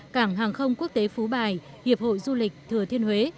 cảng hàng không quốc tế phú bài hiệp hội du lịch thừa thiên huế